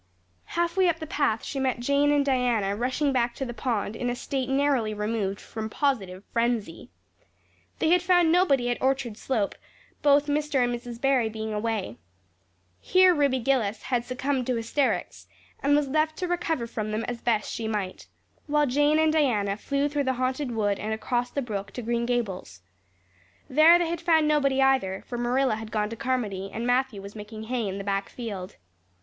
Halfway up the path she met Jane and Diana rushing back to the pond in a state narrowly removed from positive frenzy. They had found nobody at Orchard Slope, both Mr. and Mrs. Barry being away. Here Ruby Gillis had succumbed to hysterics, and was left to recover from them as best she might, while Jane and Diana flew through the Haunted Wood and across the brook to Green Gables. There they had found nobody either, for Marilla had gone to Carmody and Matthew was making hay in the back field.